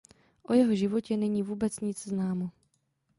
O jeho životě není vůbec nic známo.